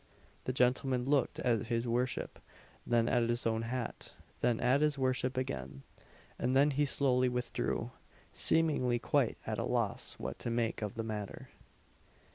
The gentleman looked at his worship, then at his own hat, then at his worship again, and then he slowly withdrew; seemingly quite at a loss what to make of the matter.